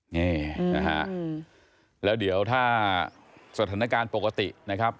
นี่นะฮะแล้วเดี๋ยวถ้าสถานการณ์ปกตินะครับ